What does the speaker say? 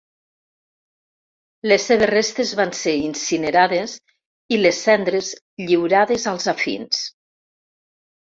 Les seves restes van ser incinerades, i les cendres lliurades als afins.